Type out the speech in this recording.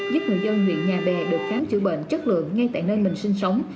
giúp người dân huyện nhà bè được khám chữa bệnh chất lượng ngay tại nơi mình sinh sống